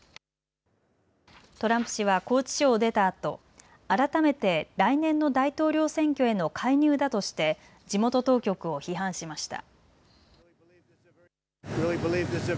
トランプ氏は拘置所を出たあと改めて来年の大統領選挙への介入だとして地元当局を批判しました。